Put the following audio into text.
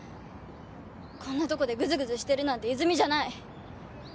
こんなとこでぐずぐずしてるなんて泉じゃない。